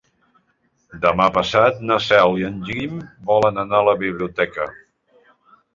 Demà passat na Cel i en Guim volen anar a la biblioteca.